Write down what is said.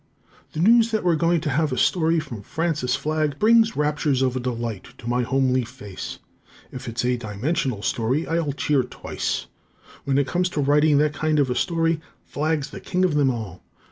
The news that we're going to have a story from Francis Flagg brings raptures of delight to my homely face. If it's a dimensional story, I'll cheer twice. When it comes to writing that kind of a story, Flagg's the king of them all.